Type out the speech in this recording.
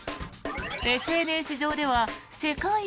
ＳＮＳ上では世界一